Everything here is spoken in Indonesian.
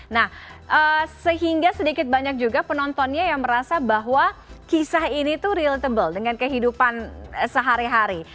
nah sehingga sedikit banyak juga penontonnya yang merasa bahwa kisah ini tuh realitable dengan kehidupan sehari hari